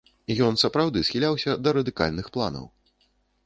Ён сапраўды схіляўся да радыкальных планаў.